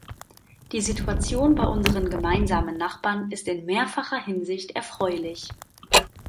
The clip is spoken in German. Die Situation bei unseren gemeinsamen Nachbarn ist in mehrfacher Hinsicht erfreulich.